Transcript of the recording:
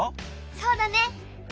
そうだね！